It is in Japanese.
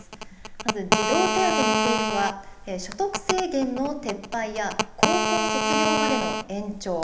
まず、児童手当については、所得制限の撤廃や高校卒業までの延長。